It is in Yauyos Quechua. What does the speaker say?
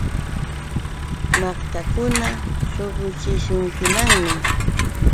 Maqtillukuna suquchishunkimanmi.